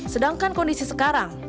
sedangkan kondisi sekarang